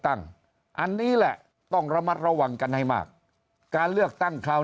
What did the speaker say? อันนี้แหละต้องระมัดระวังกันให้มากการเลือกตั้งคราว